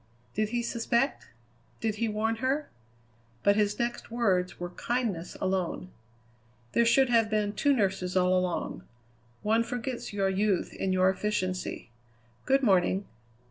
Did he suspect? Did he warn her? But his next words were kindness alone. "There should have been two nurses all along. One forgets your youth in your efficiency. Good morning."